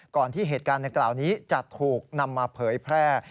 ก่อนที่เหตุการณ์ดังกล่าวนี้จะถูกนำมาเผยแพร่